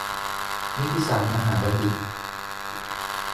นิติศาสตรมหาบัณฑิต